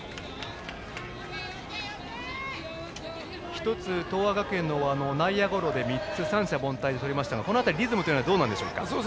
１つ、東亜学園は内野ゴロで三者凡退をとりましたがこの辺りリズムはどうですか。